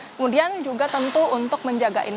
kemudian juga tentu untuk menjaga